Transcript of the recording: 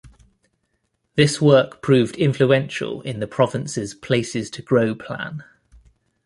This work proved influential in the Province's Places to Grow Plan.